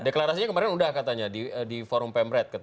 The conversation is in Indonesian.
deklarasinya kemarin udah katanya di forum pemret